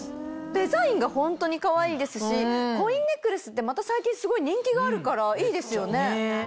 デザインがホントにかわいいですしコインネックレスってまた最近すごい人気があるからいいですよね。